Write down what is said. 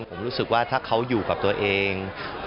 ผมรู้สึกว่าถ้าเขาอยู่กับตัวเอง